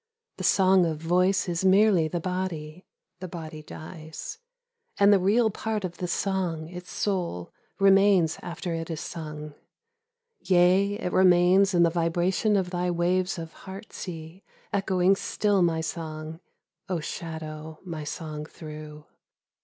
The song of voice is merely the body, (the body dies,) And the real part of the song, its soul, remains after it is sung : Yea, it remains in the vibration of thy waves of heart sea Echoing still my song, (O shadow my song threw